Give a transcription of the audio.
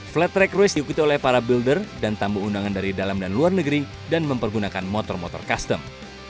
flight track race diikuti oleh para builder dan tamu undangan dari dalam dan luar negeri dan mempergunakan motor motor custom